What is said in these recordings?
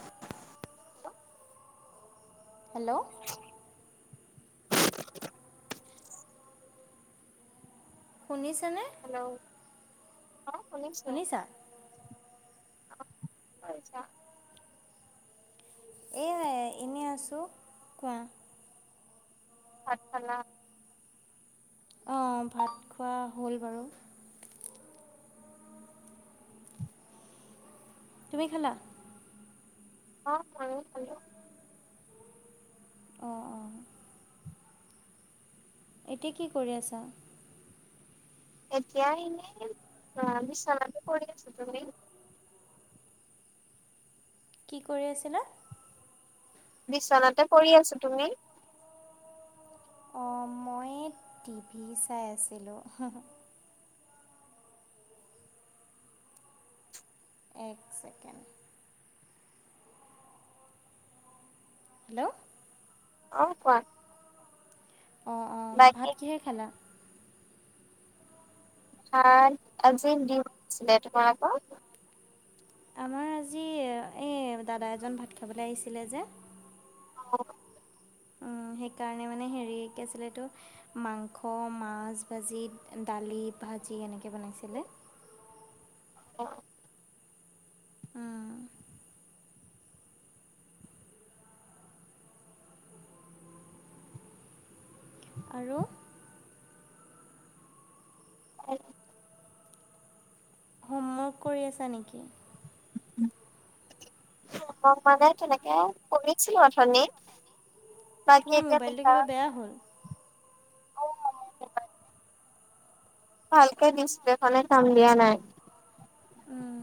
Hello! Hello! শুনিছে নে? Hello অ' শুনিছো। শুনিছা? কি কৰিছা? এই এনেই আছো, কোৱা। ভাত খালা? অঁ' ভাত খোৱা হ'ল বাৰু। তুমি খালা? অ' খালো খালো। অ' অ'। এতিয়া কি কৰি আছা? এতিয়া এনেই অ', বিচনাতে পৰি আছোঁ তুমি? কি কৰি আছিলা? বিচনাতে পৰি আছোঁ তুমি? অ', মই টি ভি চাই আছিলোঁ। এক ছেকেণ্ড। হেল্ল'! অ', কোৱা। অ', অ', বাকী ভাত কিহেৰে খালা? ভাত আজি ডিম আছিলে তোমালোকৰ? আমাৰ আজি এই দাদা এজন ভাত খাবলৈ আহিছিলে যে অ' অ', সেইকাৰণে মানে হেৰি কি আছিলে এইটো মাংস, মাছ, ভাজি, দালি, ভাজি এনেকে বনাইছিলে। [inaudible] অ' আৰু? [inaudible] হোমৱৰ্ক কৰি আছা নেকি? [inaudible] মই মানে তেনেকে কৰিছিলোঁ অথনি তোমাৰ বাকী এতিয়া মোবাইলটো লিখা কিবা বেয়া হ'ল [unintelligible] ভালকে ডিছপ্লে খনে কাম দিয়া নাই। উম।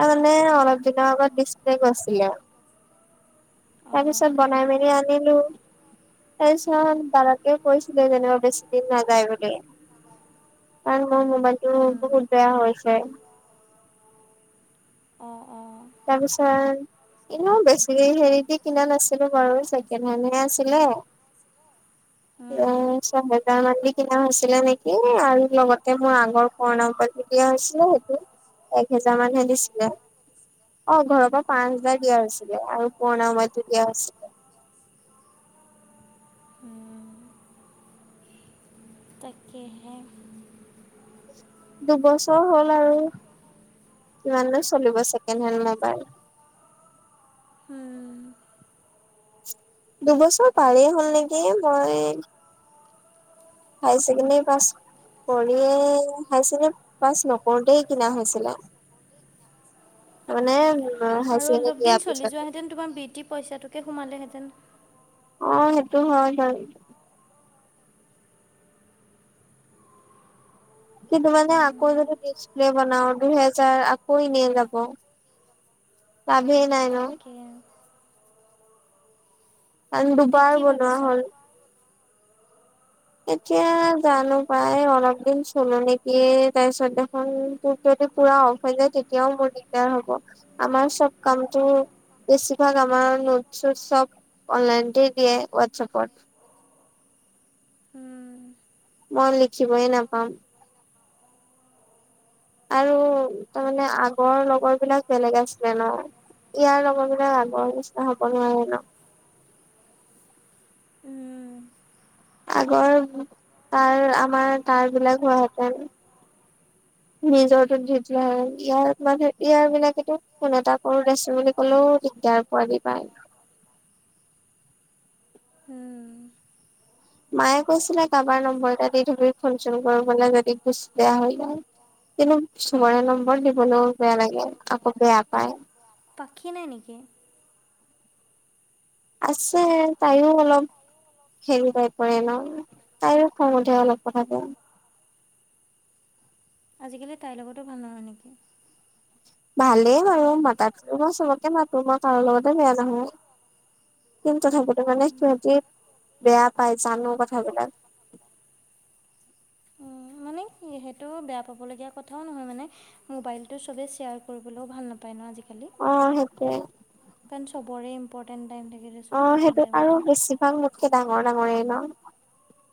তাৰমানে অলপ দিনৰ আগত ডিছপ্লে গৈছিলে। তাৰপিছত বনাই মেলি আনিলোঁ। তাৰপিছত দাদাটোৱে কৈছিলে যেনিবা বেছি দিন নাযায় বুলি। কাৰণ মোৰ মোবাইলটো বহুত বেয়া হৈছে। অ', অ'। তাৰপিছত এনেও বেছি হেৰি দি কিনা নাছিলোঁ বাৰু ছেকেণ্ড হেণ্ডহে আছিলে। উম, অঁ ছয় হেজাৰ মান দি কিনা হৈছিলে নেকি আৰু লগতে মোৰ আগৰ পুৰণা মোবাইলটো দিয়া হৈছিলে সেইটো এক হেজাৰ মানহে দিছিলে। অ', ঘৰৰ পৰা পাঁচ হাজাৰ দিয়া হৈছিলে আৰু পুৰণা মোবাইলটো দিয়া হৈছিলে। তাকেহে। দুবছৰ হ'ল আৰু কিমাননো চলিব ছেকেণ্ড হেণ্ড মোবাইল। দুবছৰ পাৰেই হ'ল নেকি মই হাই চেকেণ্ডেৰী পাছ কৰিয়েই হাই ছেকেণ্ড পাছ নকৰোতেই কিনা হৈছিলে। তাৰমানে আৰু অলপ দিন চলি যোৱাহেঁতেন তোমাৰ বৃত্তিৰ পইচাটোকে সোমালেহেঁতেন। অ', সেইটো হয় বাৰু। কিন্তু মানে আকৌ যদি ডিচপ্লে বনাওঁ দুহেজাৰ আকৌ ইনেই যাব। লাভে নাই ন? তাকে কাৰন এতিয়া দুবাৰ কি বনোৱা ভাবিছা হ'ল। এতিয়া জানো পাই অলপ দিন চলে নেকি তাৰপিছত দেখোন তোৰ যদি পুৰা অফ হৈ যায় তেতিয়াও মোৰ দিগদাৰ হ'ব, আমাৰ চব কামটো বেছিভাগ আমাৰ নোট চোট চব অনলাইনতে দিয়ে হোৱাটছএপত। মই লিখিবয়ে নাপাম। আৰু তাৰমানে তাকে আগৰ লগৰ বিলাক বেলেগ আছিলে ন'। ইয়াৰ লগৰবিলাক আগৰ নিচিনা হ'ব নোৱাৰে ন'। আগৰ, তাৰ আমাৰ তাৰবিলাক হোৱাহেঁতেন। নিজৰটোত দি দিলে হয়, ইয়াৰ মানে ইয়াৰ বিলাকেতো ফোন এটা কৰো আছে বুলি ক'লেওঁ দিগদাৰ পোৱাদি পায়। উম। উম। মায়ে কৈছিলে কাৰোবাৰ নম্বৰ এটা দি থবি ফোন চোন কৰিবলৈ যদি কুচ বেয়া হৈ যায়। কিন্তু চবৰে নম্বৰ দিবলৈও বেয়া লাগে, আকৌ বেয়া পায়। পাখি নাই নেকি? আছে তাইও অলপ হেৰি টাইপৰ ন' তাইৰো খং উঠে অলপ কথাতে। আজিকালি তাইৰ লগতো ভাল নহয় নেকি। ভালেই বাৰু মাতাতেতো মই চবকে মাতো, মই কাৰো লগতে বেয়া নহওঁ। কিন তথাপিতো মানে সিহঁতি বেয়া পায় জানো কথাবিলাক। সেইহেটো বেয়া পাবলগীয়া কথাওঁ নহয় মানে মোবাইলটো চবেই শ্বেয়াৰ কৰিবলৈও ভাল নাপায় ন' আজিকালি। অ' সেইটোৱে। কাৰণ চবৰে ইম্পৰ্টেণ্ট টাইম থাকে যে। অ' সেইটো আৰু বেছিভাগ মোতকে ডাঙৰ ডাঙৰেই ন'।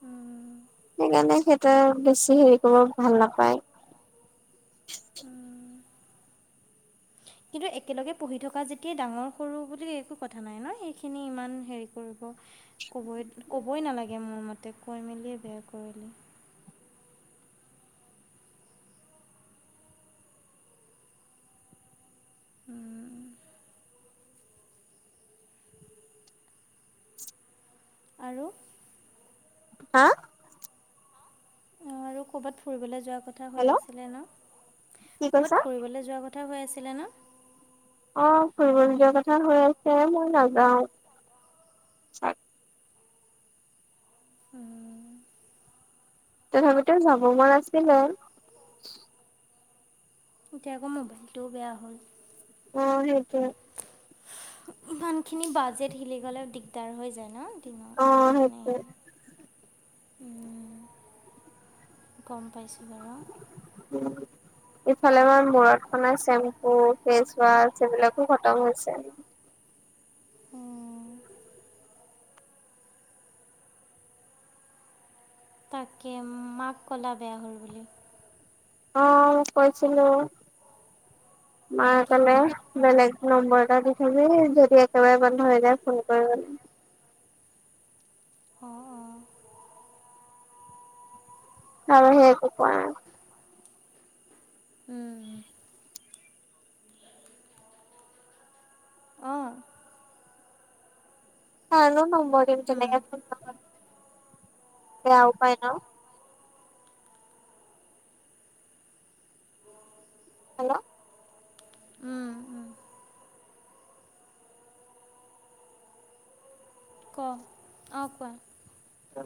উম। সেইকাৰণে সেইটো বেছি হেৰি কৰিব ভাল নাপায়। কিন্তু একেলগে পঢ়ি থকা যেতিয়া ডাঙৰ সৰু বুলি একো কথা নাই ন' সেইখিনি ইমান হেৰি কৰিব ক'বই, ক'বই নালাগে মোৰ মতে কয় মেলিয়ে বেয়া কৰিলে। উম। আৰু। হা? অ' আৰু ক'ৰবাত ফুৰিবলৈ যোৱাৰ কথা হৈ হেল্ল' আছিলে ন' কি কৈছা ক'বাত ফুৰিবলৈ যোৱা ক কথা হৈ আছিলে ন'। অ' ফুৰিবলে যোৱা কথা হৈ আছে মই নাযাওঁ। তথাপিটো যাব মন আছিলে। এতিয়া আকৌ মোবাইলটোও বেয়া হ'ল। অ' সেইটোৱে। ইমানখিনি বাজেট হিলি গ'লে দিগদাৰ হৈ যায় ন' দিনত। অ' মানে সেইটোৱে। গম পাইছোঁ বাৰু। উম। ইফালে মই মূৰত সনা চেম্পু, ফেচ ৱাছ সেইবিলাকো খতম হৈছে। তাকে মাক ক'লা বেয়া হ'ল বুলি। অ' কৈছিলোঁ, মায়ে ক'লে বেলেগ নম্বৰ এটা দি থবি যদি একেবাৰে বন্ধ হৈ যায় ফোন কৰিবলে। অ। আৰু সেইটো কোৱা। অঁ কাৰনো নম্বৰ দিম, তেনেকুৱাকে কাবাৰ এয়াই বেয়াও পাই ন। হেল্ল'। ক, অ, কোৱা। অ।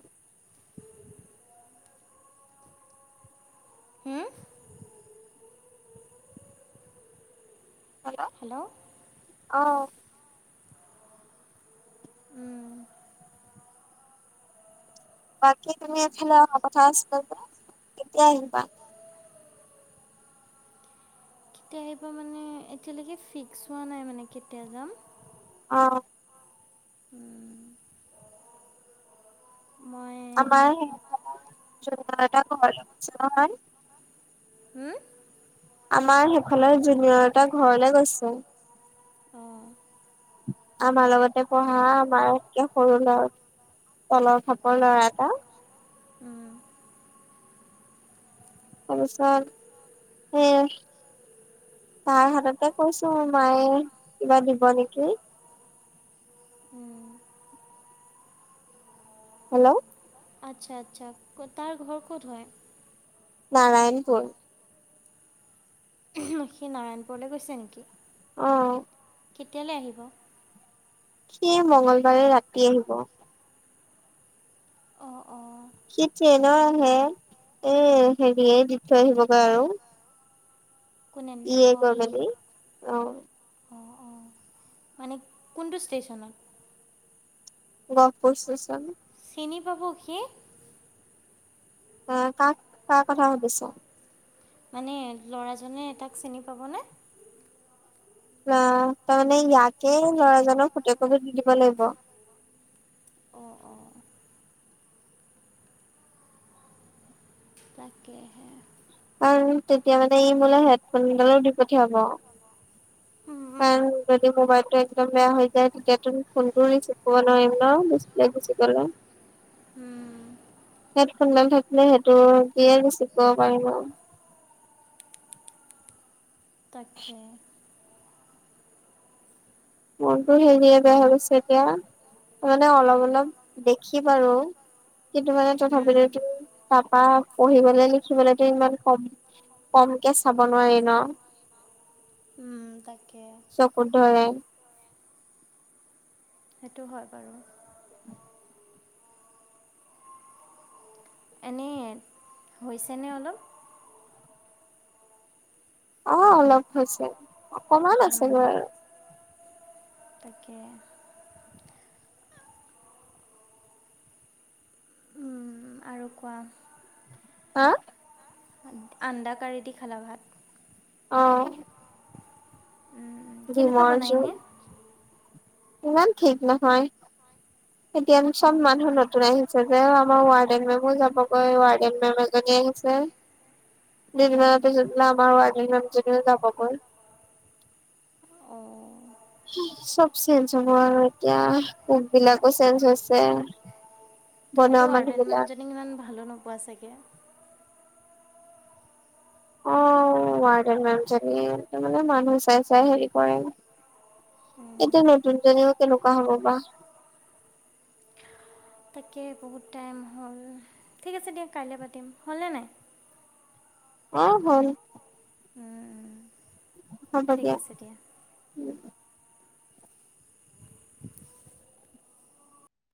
হেল্ল'। হেল্ল'। অ। বাকী তুমি এইফালে অহা কথা আছিলে যে কেতিয়া আহিবা? কেতিয়া আহিবা মানে এতিয়ালৈকে ফিক্স হোৱা নাই মানে, কেতিয়া যাম। অ। উম। মই আমাৰ সেইফালে জুনিয়ৰ এটা ঘৰলে গৈছে নহয়। হম? আমাৰ সেইফালে জুনিয়ৰ এটা ঘৰলে গৈছে। আমাৰ লগতে পঢ়া আমাৰ একে সৰুৰ ল'ৰা। তলৰ ফাপৰ ল'ৰা এটা। তাৰপিছতে সেয়ে। তাই হাততে কৈছো মায়ে কিবা দিব নেকি? অঁ হেল্ল'। আতচ্ছা, আতচ্ছা, ক'ত তাৰ ঘৰ ক'ত হয়? নাৰায়ণপুৰ। সি নাৰায়ণপুৰলৈ গৈছে নেকি? অঁ। কেতিয়ালৈ আহিব? সি মঙগলবাৰে ৰাতি আহিব। অঁ, অঁ। সি ট্ৰেইনত আহে, এ হেৰিয়ে দি থৈ আহিবগৈ আৰু। কোনে, ইয়ে অ গৈ ই। মেলি অ অঁ, অঁ, মানে কোনটো ষ্টেচনত? গহপুৰ ষ্টেচন। চিনি পাব সি? আহ, কাক কাৰ কথা সুধিছা? মানে ল'ৰাজনে তাক চিনি পাবনে? অ', তাৰ মানে ইয়াতেই মানে‌ ল'ৰাজনৰ ফটো একপি তুলিব লাগিব। অ, অ। তাকেহে। কাৰণ তেতিয়া মানে, এই মোলৈ হেডফোন ডালো দি পঠিয়াব। উম, কাৰণ যদি মোবাইলটো এক দম বেয়া হৈ যায়। তেতিয়াতো তুমি ফোনটো ৰিচিপ কৰিব নোৱাৰিম ন, ডিচপ্লে গুচি গ'লে। [unintelligible] উম। হেড ফোন ডাল থাকিলে সেইটো কিয়ে ৰিচিপ কৰিব পাৰিব। তাকে। ফোনটো হেৰিয়ে বেয়া হৈ গৈছে এতিয়া। মানে অলপ অলপ দেখি বাৰু। কিন্তু মানে উম, তথাপিতো, তাপা পঢ়িবলৈ লিখিবলৈতো ইমান ক'ম। ক'ম কে চাব নোৱাৰি ন। উম, তাকে। চকুত ধৰে। সেইটো হয় বাৰু। এনে হৈছেনে অলপ? অ' অলপ হৈছে, অকমান আছে উম, গৈ আৰু। তাকে। উম, আৰু কোৱা? হা? আন্দা কাৰি দি খালা ভাত। অ। কেনেকুৱা ডিমৰ বনায় এনে জোল। ইমান ঠিক নহয়, এতিয়া আমি অঁ চব মানুহ অঁ ন যে আমাৰ ৱাৰ্ডেন‌জনী যাবগৈ, ৱাৰ্ডেন মেম এজনি আহিছে। দুদিন মানৰ পিছত বোলে আমাৰ ৱাৰ্ডেন মেম জনিও যাবগৈ। অঁ চব চেঞ্জ হ'ব আৰু এতিয়া, কোক বিলাকো চেঞ্জ হৈছে। বনোৱা তুমিতো মানুহ ৱাৰ্ডেন বিলাক মানুহজনীক ইমান ভালো নোপোৱা চাগে। অ ' ৱাৰ্ডেন মেমজনী, মানে মানুহ চাই চাই হেৰি কৰে। এতিয়া নতুন জনীও কেনেকুৱা হ'ব বা? তাকে বহুত টাইম হ'ল। ঠিক আছে দিয়া কাইলে পাতিম, হল নে নাই? অ' হল। ঠিক আছে দিয়া। উম